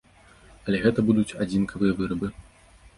Але гэта будуць адзінкавыя вырабы.